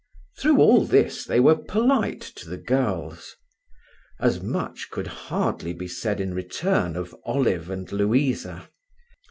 Through all this they were polite to the girls. As much could hardly be said in return of Olive and Louisa.